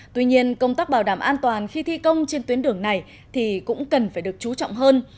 tuy nhiên công tác bảo đảm an toàn khi thi công trên tuyến đường này thì cũng cần phải được chú trọng hơn